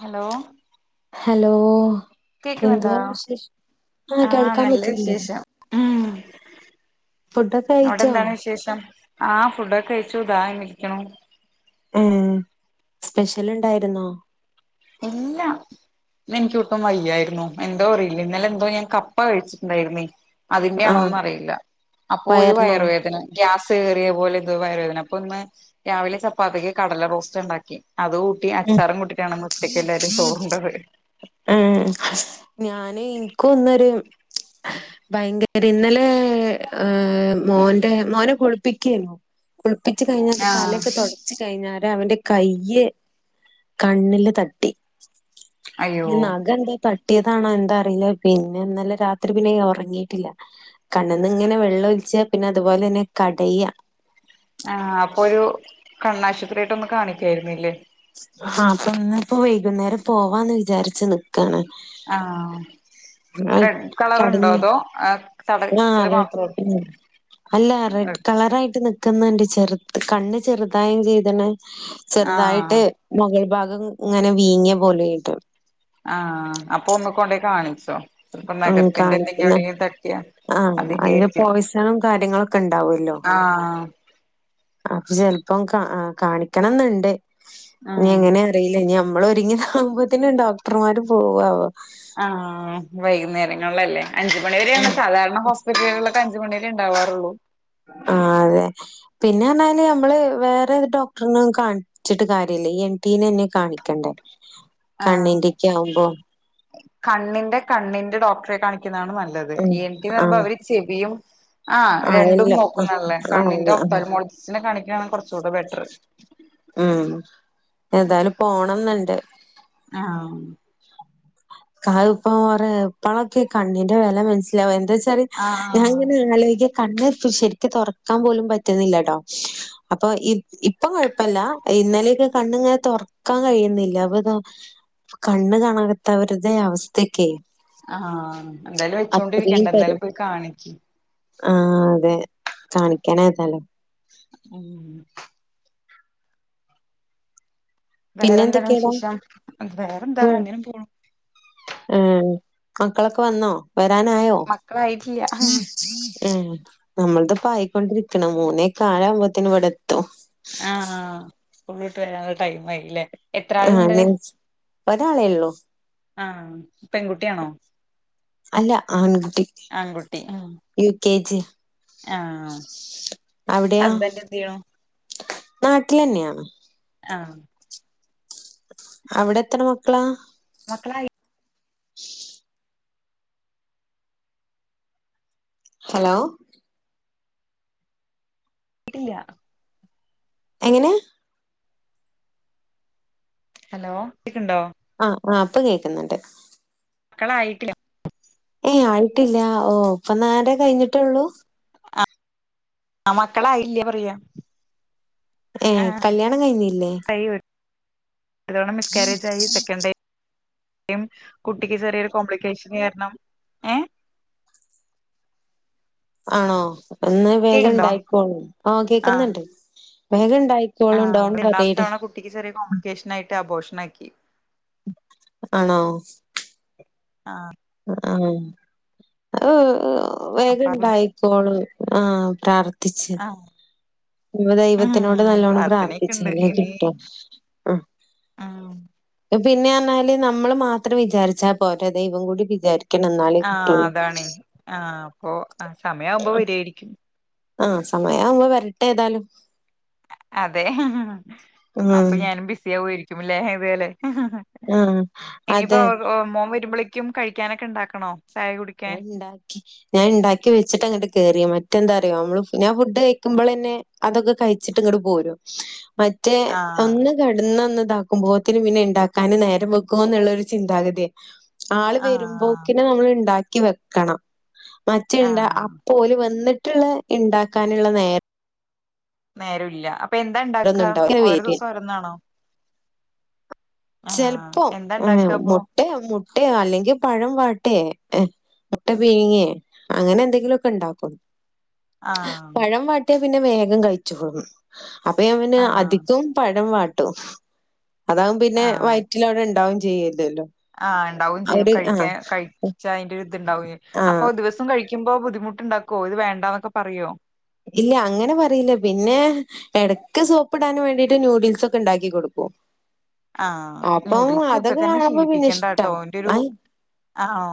Hello? Hello കേക്കുന്നുണ്ടോ എന്തുവാ വിശേഷം ആഹ് കേൾക്കാൻ നല്ല പറ്റുന്നു. വിശേഷം ഉം ഫുഡൊക്കെ കഴിച്ചോ അവിടെന്താണ് വിശേഷം ആഹ ഫുഡൊക്കെ കഴിച്ചു ദാ എനിക്കന്ന് ഉം സ്പെഷ്യൽ ഉണ്ടായിരുന്നോ എല്ലാം ഇന്നെനിക്കോട്ടും വയ്യായിരുന്നു എന്തോ അറിയില്ല ഇന്നലെന്തോ ഞാൻ കപ്പ കഴിച്ചിട്ടുണ്ടായിരുന്നേ. അതിന്റെ ആ ആണോന്ന് അറിയില്ല അപ്പൊ ഒരു വയറിനോ വയറ വേദന ഗ്യാസ് കയറിയ പോലെ എന്തോ വയറ് വേദന അപ്പൊ ഇന്ന് രാവിലെ ചപ്പാത്തിക്ക് കടല റോസ്റ്റ് ഉണ്ടാക്കി അത് കൂട്ടി ഉം അച്ചാറ കൂട്ടിട്ടാണെന്ന്ന്ന് ഉച്ചയ്ക്ക് എല്ലാരും ചോറുണ്ടത് ആഹ് ഞാന് എനിക്ക് ഇന്നൊരു ഭയങ്കര ഇന്നലെ ഏഹ മോൻ്റെ മോനെ കുളിപ്പിക്കെരുന്നു. കുളിപ്പിച്ച് കഴിഞ്ഞാ ആഹ് തലെക്കെ തോട ച്ച് കഴിഞാര അവന്റെ കൈയ് കണ്ണില് തട്ടി. അയ്യോ നഖ എന്താ തട്ടിയതാണോ എന്താ അറിയില്ല പിന്ന ഇന്നല രാത്രി പിന്നെ ഒറങ്ങിയിട്ടില്ല. കണ്ണന്നിങ്ങനെ വെള്ളം ഒഴിച്ച പിന്നെ അതുപോലെ തന്നെ കടയ. ആഹ അപ്പൊ ഒരു കണ്ണാശുപത്രി ആയിട്ട ഒന്ന് കാണിക്കായിുന്നല്ലേ ആ അപ്പൊ ഇന്നിപ്പോ വൈകുന്നേരം പോവാന്ന് വിചാരിച്ചത് ആഹ് റെഡ് ചടഞ്ഞു [unintelligible] ആഹ റെഡ് മാത്രം അല്ല റെഡ് കളറായിട്ട് നിക്ക് ക്കുന്നുണ്ട് ചെറു കണ്ണ് ചെറുതായും ചെയ്തണ് ആഹ് ചെറുതായിട്ട് മുകൾ ഭാഗം ഇങ്ങനെ വീങ്ങിയ പോലെ ആയിട്ട് ആഹ അപ്പൊ ഒന്ന് കൊണ്ടയി കാണിച്ചോ അപ്പൊ ഉം നഖത്തിന്റെ എന്തെങ്കിലും കാണിക്കുന്ന എവിടെയെങ്കിലും തട്ടിയാ ആഹ് അയിന് അതിന്റെയായിരിക്കും പോയിസണും കാര്യങ്ങളൊക്കെ ഇണ്ടാവല്ലോ. ആഹ അപ്പൊ ചെലപ്പം കാണിക്കണംന്നുണ്ട് ഇനി ആഹ് എങ്ങനെ അറിയി ഇല്ലഞമ്മള് ഒരുങ്ങി ഇതവുമ്പോതെന് ഡോക്ടർമാര് പോവാവോ. ആ വൈകുന്നേരങ്ങളല്ലേ അഞ്ചുമണി വരെയാണ് ആ സാധാരണ ഹോസ്പിറ്റലുകളിൽ അഞ്ച് മണിരെ ഇണ്ടവാറുള്ളൂ. ആ അതെ പിന്നെ എന്നാല് നമ്മള് വേറെ ഡോക്ടറിനന്നും കാണിച്ചിട്ട് കാര്യില്ല ഈ എൻ ടിനന്നെ കാണിക്കണ്ടേ. [inaudible] ആ കണ്ണിന്റെക്കെ ആവുമ്പോ കണ്ണിന്റെ കണ്ണിന്റെ ഡോക്ടറെ കാണിക്കുന്നതാണ് നല്ലത് അ ഉം ഈ ൻ ടി എന്ന് പറയുമ്പോ ആഹ് അവർ ചെവിയും ആ ആഹ് രണ്ടും എല്ല നോക്കുന്നല്ലേ കണ്ണിന്റെ ആഹ് ഒഫ്താൽമോളജിസ്റ്റിനെ കാണിക്കാണ് കൊറച്ചൂടെ ബെറ്റർ. ഉം ഏതാലും പോണംന്നുണ്ട്. ആഹ് [unintelligible] ഇപ്പളൊക്കെ കണ്ണിന്റെ വില മനസ്സിലാവും എന്താ വെച്ചാ ഞാൻ ആഹ് ഇങ്ങനെ ആലോചക കണ്ണ് ശരിക്ക തുറക്കാൻ പോലും പറ്റുന്നില്ലട്ടോ അപ്പൊ ഇ, ഇപ്പൊ കൊഴപ്പല്ല ഇന്നലക്കെ കണ്ണിങ്ങനെ തൊ വക്കാൻ കഴിയുന്നില്ല അപ്പൊ ഇതാ കണ്ണ് കാണാത്തവരുടെ അവസ്ഥേക്കെ. ആഹ് എന്തായാലും വെച്ചോണ്ടിരിക്കണ്ട പരി എന്തായാലും പോയി കാണിക്ക്. ആഹ് അതെ കാണിക്കാനായതാലോ. ഉം വേറെന്താണ് പിന്നെന്തൊക്കെയാടാ വിശേഷം വേറെ എന്താ ഇങ്ങനെ പോണു ഏ മക്കളൊക്കെ വന്നോ? വരാനായോ? മക്കളായിട്ടില്ല ആ നമ്മളത് പായിക്കൊണ്ടിരിക്കണം. മൂന്നേകാലാവുമ്പോത്തിനെവ്ടെത്തും. ആഹ സ്കൂളവിട്ട് വരാനുള്ള ടൈം ആയില്ലേ എത്ര ആഹ് ആളുണ്ട് നെന്ച്ച് ഒരാളെയുള്ളു ആഹ് പെൺകുട്ടിയാണോ അല്ല ആൺകുട്ടി ആൺകുട്ടി യു കെ ജി ആഹ് ഹസ്ബൻഡ് എന്തെയണു നാട്ടിലെന്നയാണ് ആഹ് അവിടെത്ര മക്കളാ മക്കളായി [unintelligible] ഹലോ കിട്ടില്ല എങ്ങനെ ഹലോ കേക്കുണ്ടോ ആഹ് ആഹ് ഇപ്പം കേക്കുന്നുണ്ട് ക്കളായിട്ടില്ല ഏയ് ആയിട്ടില്ല ഓ ഇപ്പ നാലര കഴിഞ്ഞിട്ടുള്ളൂ ആഹ് ആ മക്കളായില്ല പറയാ ഏഹ് കല്ല്യാണം കഴിഞ്ഞില്ലേ ഒരെണ്ണം മിസ്കാരേജ് ആയി സെക്കണ്ട് കുട്ടിക്ക് ചെറിയൊരു കോംപ്ലിക്കേഷൻ കാരണം ഏ ആണോ എന്നാ വേഗം കേക്കുണ്ടോ ഇണ്ടായിക്കോളും ആ ആഹ് കേക്കുന്നുണ്ട് വേഗം ഇണ്ടായി ക്കോളും ഡോണ്ട് വരീഡ് എനിക്ക് ചെറിയ കോംപ്ലിക്കേഷൻ ആയിട്ട് അബോർഷൻ ആക്കി ആണോ ആഹ് ആഹ് അത് വേഗ അപ്പ അത് ഇണ്ടായി സോള് ആഹ് പ്രാർത്ഥിച്ച് ആഹ് ദൈവത്തിനോട് ഉം നല്ലോണം പ്രാർത്ഥനയൊക്കെ ഉണ്ട് പ്രാർത്ഥിച്ചാലെ കിട്ടും ആഹ് പിന്നെന്നാല് നമ്മള് മാത്രം വിചാരിച്ചാ പോരാ ദൈവം കൂടി വിചാരി ആഹ് അതാണേ ആഹ് അപ്പൊ ആഹ് സമയ ആവുമ്പോ വരായിരിക്കും ആഹ് സമയം ആവുമ്പ വരട്ടെ ഏതായാലും അതെ അപ്പൊ ഉം ഞാനും ബിസി ആവൊയിരിക്കും അല്ലേ ഇതുപോലെ ആഹ് ഇനിയിപ്പോ അതെ മോൻ വരുമ്പോളേക്കും കഴിക്കാനൊക്കെ ഉണ്ടാക്കണോ ചായ കുടി എണ്ടാ ഞാൻ ഇണ്ടാക്കി വെച്ചിട്ടാ ഇങ്ങട്ട് കേറിയ മറ്റെന്താറിയോ നമ്മള് ഞാൻ ഫുഡ് കഴിക്കുമ്പോളന്നെ അതൊക്കെ കഴിച്ചിട്ട് ഇങ്ങട് പോരും മറ്റേ ആഹ് ഒന്ന് കിടന്നൊന്ന് ഇതാക്കുമ്പോത്തിന് പിന്നെ ഇണ്ടാക്കാന് നേരം വെക്കുവോന്നൊള്ളരു ചിന്താഗതിയ ആള് ആഹ് വരുമ്പോക്കിന് നമ്മള് ഇണ്ടാക്കി വെക്കണം മറ്റേണ്ട ആഹ് പോല് വന്നിട്ടുള്ള ഇണ്ടാക്കാനുള്ള നേര നേരൊല്ല അപ്പൊ എന്താ ഇണ്ടാക്ക നേരൊന്നും ഉണ്ടാവൂല ഇങ്ങനെ ഓരോ വരിക. ദിവസം ഓരോന്നാണോ ആഹ് ചെലപ്പോ എന്താ ഉണ്ടാക്കുക അപ്പൊ മുട്ട മുട്ടയോ അല്ലെങ്കിൽ പഴം വാട്ടേ എ മുട്ട പിഴിങ്ങേ അങ്ങനെ എന്തെങ്കിലുമൊക്കെ ഉണ്ടാക്കും ആഹ് പഴം വാട്ടിയ പിന്നെ വേഗം കഴിച്ചോളും അപ്പൊ ഞാൻ പിന്നെ ആഹ് അധികോം പഴം വാട്ടും അതാകും പിന്നെ ആഹ് വയറ്റിൽ അവിടെ ഉണ്ടാവും ചെയ്യുല്ലല്ലോ ആഹ് ഇണ്ടാവും ചെയ്യും കഴിക്കാൻ കഴിച്ച അയിന്റെ ഒരിതിണ്ടാവും അപ്പൊ ആഹ് ദിവസ ഭക്ഷണം കഴിക്കുമ്പോ ബുദ്ധിമുട്ടുണ്ടാക്കോ ഇത് വേണ്ടാന്നൊക്കെ പറയോ ഇല്ല അങ്ങനെ പറയില്ല പിന്നെ ഇടയ്ക്ക് സോപ്പിടാൻ വേണ്ടിട്ട് ന്യൂഡിൽസ് ഒക്കെ ഉണ്ടാക്കി കൊടുക്കും ആഹ് അപ്പം ന്യൂഡിൽസ് ഇപ്പൊ അതൊക്കെ തന്നെ കാണുമ്പോ പിന്നെ ശീലിപ്പിക്കേണ്ട ഇഷ്ടാ. കേട്ടോ ന്റെ ഒരു ആഹ് ആ ഒ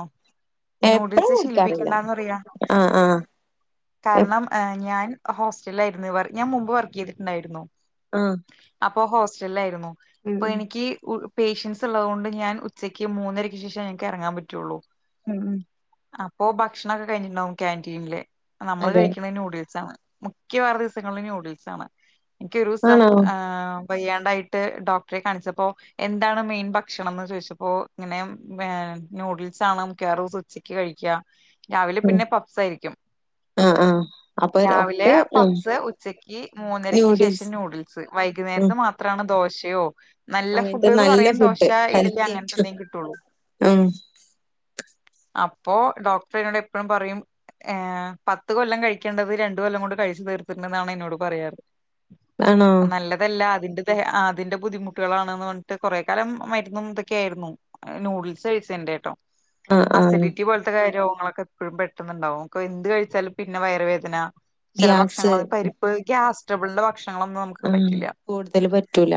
എപ്പഴും ന്യൂഡിൽസ് കുടിക്കാറില്ല. ശീലിപ്പിക്കാണ്ടാന്ന് പറയാ ആഹ് ആഹ് എപ് കാരണം ഹ് ഞാൻ ഹോസ്റ്റലിലായിരുന്നു ഞാൻ മുമ്പ് വർക്ക് ചെയ്തിട്ടുണ്ടായിരുന്നു അഹ് അപ്പൊ ഹോസ്റ്റലിലായിരുന്നു- അപ്പൊ ഉം എനിക്ക് പേഷ്യൻസ് ഉള്ളത് കൊണ്ട് ഞാൻ ഉച്ചയ്ക്ക് മൂന്നരക്ക് ശേഷം ഞങ്ങക്ക് ഇറങ്ങാൻ പറ്റുള്ളൂ മ് മ് അപ്പോ ഭക്ഷണൊക്കെ കഴിഞ്ഞിട്ടുണ്ടാവും ക്യാന്റീനിലെ നമ്മള് അതെ കഴിക്കുന്നത് ന്യൂഡിൽസ് ആണ് മിക്കവാറും ദിവസങ്ങളിൽ ന്യൂഡിൽസ് ആണ് എനിക്ക് ഒരു ദിവസം ആണോ? അഹ് വയ്യാണ്ടായ്ട്ട് ഡോക്ട്റെ കാണിച്ചെപ്പോ എന്താണ് മെയിൻ ഭക്ഷണംന്ന് ചോയ്ച്ചപ്പോ ങ്ങെനെ ഏഹ് ന്യൂഡിൽസാണ് മിക്കവാറൂസ് ഉച്ചക്ക് കഴിക്കാ രാവിലെ ഉം പിന്നെ പബ്സ് ആയിരിക്കും ആഹ് ആഹ് അപ്പൊ രാവിലെ ഒക്കെ ഉം പപ്സ് ഉച്ചക്ക് മൂന്നരക്ക് ശേഷം ന്യൂഡിൽസ് നൂഡിൽ- ഉം വൈകുന്നേരത്ത് മാത്രണ് ദോശയോ നല്ല അങ്ങനത്തെ ഫുഡ്ന്ന് നല്ല പറയാൻ ദോശ ഫുഡ് ഇഡലി ഹെൽത്തി അങ്ങനത്തെ ആയിട്ടു- എന്തെങ്കിലും കിട്ടുള്ളൂ ആ അപ്പോ ഡോക്ടറ് എന്നോട് എപ്പോഴും പറയും ഏ- പത്ത് കൊല്ലം കഴിക്കേണ്ടത് രണ്ട് കൊല്ലം കൊണ്ട് കഴിച്ചു തീർത്തിണ്ടെന്നാണ് എന്നോട് പറയാറ് ആണോ? - നല്ലതല്ല അതിന്റെ അതിന്റെ ബുദ്ധിമുട്ട് കുട്ടികളാണന്ന് പറഞ്ഞിട്ട് കൊറേ കാലം മരുന്നും ഇതൊക്കെയായിരുന്നു ന്യൂഡിൽസ് കഴിച്ചതിന്റെ ആട്ടോ ആഹ് ആഹ് അസൈഡിറ്റി പോൽ [unintelligible] രോഗങ്ങളൊക്കെ എപ്പോഴും പെട്ടെന്നുണ്ടാവും അപ്പൊ എന്ത് കഴിച്ചാലും പിന്നെ വയറ് വേദന ചില ഭക്ഷണങ്ങള് ഗ്യാസ് പരിപ്പ് ഗ്യാസ്സ്റ്റബിളിന്റെ ഭക്ഷണങ്ങളൊന്നു ആഹ് ആഹ് കൂടുതല് പറ്റൂല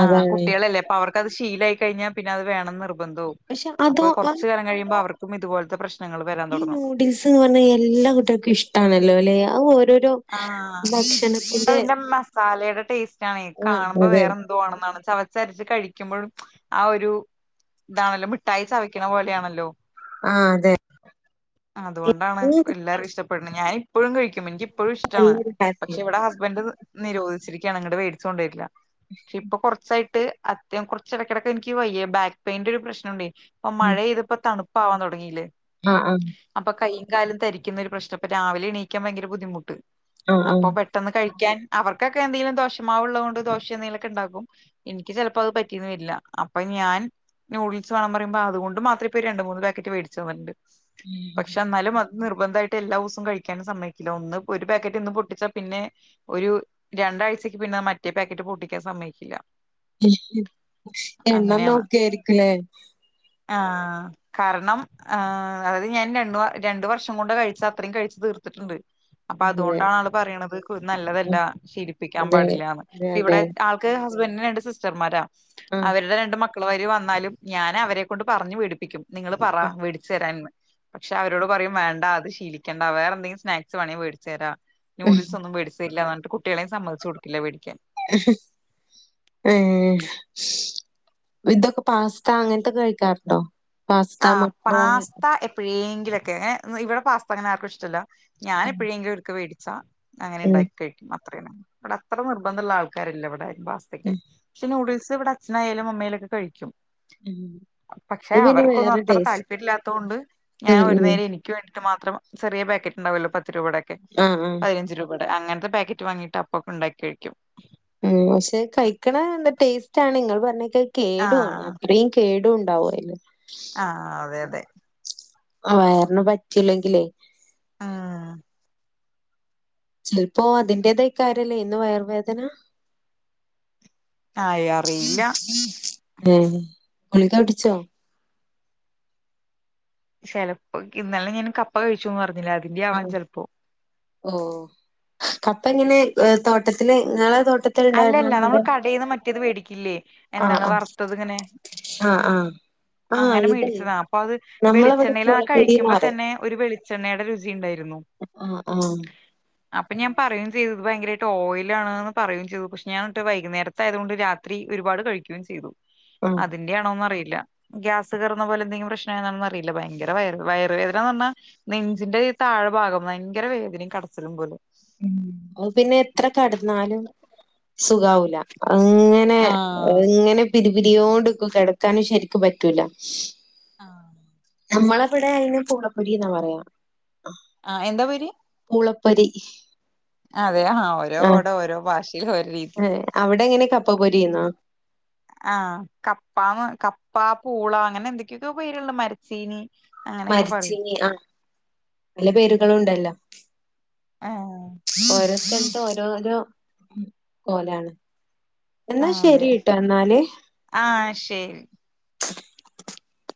ആഹ് അതാണ് കുട്ട്യാളല്ലേ അപ്പൊ അവർക്കത് ശീലായി കഴിഞ്ഞാൽ പിന്നെ അത് വേണംന്ന് നിർബന്ധവും പക്ഷെ അപ്പൊ അതോ കൊറച്ച് കാലം കഴിയുമ്പോ അവർക്കും ഇതുപോലത്തെ പ്രശ്ന- ഈ നൂഡിൽസ് ന്ന് പറഞ്ഞാൽ എല്ലാ കുട്ട്യാക്കും ഇഷ്ടാണല്ലോ ല്ലെ അത് ഓരോരോ- ആഹ് ഭക്ഷണത്തിന്റെ അതിന്റെ മസാലയുടെ ടേസ്റ്റ് ആണേ ആഹ് കാണുമ്പോ അതെ വേറെ ന്തോന്നാണ് ചവച്ചരച്ച് കഴിക്കുമ്പോഴും ആ ഒരു താണല്ലോ മിഠായി ചവിക്കണ പോലെയാണല്ലോ ആഹ് അതെ അതൊണ്ടാണ് എല്ലാവർക്കും ഇഷ്ടപെടുന്നെ ഞാന് ഇപ്പോഴും കഴിക്കും എനിക്കിപ്പോഴും ഇഷ്ടണ് പക്ഷെ ഇവിടെ ഹസ് ബ്ബന്റ് നിരോധിച്ചിരിക്കയാണ് ഇങ്ങട്ട് മേടിച് കൊണ്ട് വരില്ല പക്ഷെ ഇപ്പൊ കൊറ- സായിട്ട് അത്യം കുറച്ചെടെക്കെടെക്കെനിക്ക് വെയ്യാ ബാക്ക് പെയിന്റെ ഒരു പ്രശ്നണ്ടേ പ്പം മഴെയ്തപ്പോ തണ് [unintelligible] തുടങ്ങിയില്ലേ ആഹ് ആഹ് അപ്പൊ കൈയും കാലും തരിക്കുന്നൊരു പ്രശ്നം ഇപ്പൊ രാവിലെ എണീക്കാൻ ഭയങ്കര ബുദ്ധിമുട്ട് ആഹ് ആഹ് അപ്പൊ പെ പെട്ടെന്ന് കഴിക്കാൻ അവർക്കൊക്കെ എന്തെങ്കിലും ദോഷമാവുള്ളതു കൊണ്ട് ദോശ എന്തെങ്കിലുക്കെ ഉണ്ടാക്കും- എനിക്ക് ചെലപ്പോ അത് പറ്റീന്ന് വരില്ല അപ്പൊ ഞാൻ നൂഡിൽസ് വേണം പറയുമ്പോ അതുകൊണ്ട് മാത്രം ഇപ്പോ രണ്ട് മൂന്ന് പാക്കറ്റ് വേടിച്ചു [unintelligible] പക്ഷെ എന്നാലും അത് നിർബന്ധായിട്ട് എല്ലാ ഉസും കഴിക്യാനും സമ്മയ്ക്കില്ല ഒന്ന്- ഒരു പാക്കറ്റ് ഇന്ന് പൊട്ടിച്ചാ പിന്നെ- ഒരു രണ്ടാഴ്ചക്ക് പിന്നെ മറ്റേ പാക്കറ്റ് പൊട്ടിക്കാൻ സമ്മതിക്കില്ല [unintelligible] എണ്ണം അങ്ങനെയാണ് നോക്കിയായിരിക്കു ല്ലേ ആഹ് കാരണം ആഹ് അത് ഞാൻ രണ്ട് രണ്ട് വർഷം കൊണ്ട് കഴിച്ച അത്രയും കഴിച്ചു തീർത്തിട്ടുണ്ട് അപ്പൊ അതെ അതൊണ്ടാണ് ആള് പറയുന്നത് നല്ലതല്ല ശീലിപ്പിക്കാൻ അതെ പാടില്ലന്ന് അതെ ഇവിടെ അതെ ആൾ- ക് ഹസ്ബന്റിന് രണ്ട് സിസ്റ്റർമാരാ ആഹ് അവരുടെ രണ്ട് മക്കൾമാര് വന്നാലും ഞാൻ അവരെ കൊണ്ട് പറഞ് വേടിപ്പിക്കും നിങ്ങള് പറ വേടിച്ചു തരാൻന്ന് പക്ഷേ അവരോട് പറയും വേണ്ട അത് ശീലിക്കണ്ട വേറെന്തെങ്കിലും സ്നാക്സ് വേണെങ്കി വേടിച്ചരാ നൂഡിൽസൊന്നും മേടിച്ച. ല്ല റന്നിട്ട് കുട്ട്യേളെ സമ്മതിച്ച് കൊടുക്കില്ല വേടിക്കാൻ. [inaudible] ഏഹ് ഇതൊക്കെ പാസ്ത അങ്ങനതൊക്കെ കഴിക്കാറുണ്ടോ? പാസ്ത ആഹ് മക്രോണി പാസ്ത എ എപ്പോഴെങ്കിലൊക്കെ ഇവിടെ പാസ്ത അങ്ങനെ ആർക്കും ഇഷ്ടല്ല ഞാൻ ഉം എപ്പോഴെങ്കിലൊക്കെ വേടിച്ചാ. അങ്ങനെ ഉം ഇണ്ടാക്കി കഴിക്കും അത്രേനെ ഇവിടെ അത്ര നിർബന്ധ ള്ള ആൾക്കാറെല്ല ഇവടെ. പാസ്തക്ക് ശേ നൂഡിൽസ് വിടെ അച്ഛനായാലമ്മായാലൊക്കെ കഴിക്കും. ഉം അഅ് പിന്നെ. അവക്കന്നും വേറെ അത്ര ടേസ്റ്റ് താല്പര്യല്ലാത്തോണ്ട് ഞാൻ ഉം ഒരു ഉം നേരം എനിക്ക് വേണ്ടിട്ട് മാത്രം ചെറിയപാക്കറ്റ് ണ്ടാവുല്ലോ പ പത്ത് രൂപടെക്കെ ആഹ് ആഹ് പയിനഞ്ച് രൂപടെ അങ്ങനത്തെ പാക്കറ്റ് വാങ്ങിട്ട് അപ്പ പ്പൊണ്ടാക്കി കഴിക്കും. ഉം ശെ കഴിക്കണ ന്ത ടേസ്റ്റാണ് ഇങ്ങൾപറഞ്ഞേക്കെ കേടുവാണ് ആഹ് അത്രയും. കേടുണ്ടാവു അയില്. ആഹ് അതെ അതെ. അഹ് വയറിന് പറ്റുലങ്കിലേ. ആഹ്. ചെലപ്പോ അതിന്റേതാകാര്യല്ലേ ഇന്ന് വയറർവേദന. ആായ് അറിയില്ല. ഹേ ഗുളികടിച്ചോ? ചെലപ്പോ ഇന്നലെ ഞാൻ കപ്പ കഴിച്ചുന്നറഞ്ഞില്ലേ അതിന്റെ ആവാം ചെലപ്പോ. ഓ അപ്പങ്ങനെ തോട്ടത്തില് ഇ ങ്ങളെ തോട്ടത്തി അല്ലല്ല നമ്മള് കടെന്ന് മറ്റത് വേടിക്കില്ലേ ആഹ് എന്താണ് ആഹ് വറുത്തതിങ്ങനെ. ആഹ് ആഹ് ആഹ് അങ്ങനെ ഇത് മേടിച്ചത അപ്പത് നമ്മളവിടെ വെളിച്ചെണ്ണല് ചോളപ്പൊരിന്ന് കഴിക്മ്പോ പറയും തന്നെ. ഒരു വെളിച്ചെണ്ണേടെ രുചി ണ്ടായിരുന്നു. ആഹ് ആഹ്. അപ്പൊ ഞാൻ പറയും ചെയ്ത് ഇത് ഭയങ്കരയിട്ടോയിലാണ് പറയും. റ്റു പക്ഷെ ഞാട്ട് വൈകുനേരത്തായതോണ്ട് രാത്രി ഒരുപാട് കഴുക്കേം ചെയ്തു ആഹ് അത് ന്റെയാണോ അറിയില്ല ഗ്യാസ് കേറുന്നപോലെ ന്തെങ്കിലു പ്രശ്നാണന്നറിയില്ല ഭയങ്കര വയറ് വയറ് വേദനാ പറഞ്ഞ നെഞ്ചിന്റെഈ താഴെ ഭാഗം ഭയങ്കര വേദനിം കടച്ചിലും പോലും ഉം അഅ് പിന്നെ ത്ര കടന്നാലും. സുഖാവൂല അങ്ങനെ ആഹ് ഇങ്ങനെ. പിരി പിരിയോണ്ട്ക്കു കെടക്കാനു ശരിക്കു പറ്റൂല. ആഹ്. നമ്മളെവിടെ അയിന് പൂളപ്പൊരി ന്നാ പറയാ. ആഹ് എന്താ പേര്. പൂളപ്പൊരി. അതെ ആ ഓരോട ഓരോ ഭാഷലി ഒര അവിടെങ്ങനെ കപ്പപൊരിന്നോ? ആഹ് കപ്പന്ന് കപ്പ, പൂള, അങ്ങനെ എന്തൊക്കെക്കോ പേരുള മരച്ചീനി അങ്ങനെയൊക്കെ പറയും മരിച്ചിനി ആഹ് പല പേരുകളുണ്ടല്ലോ. ഏഹ്. ഓരോ സൽത്തു ഓരോരോ കോലാണ്. എന്നാ ആഹ് അതെ ശരി ട്ടാ ന്നാല്. ആഹ് ശരി. [inaudible]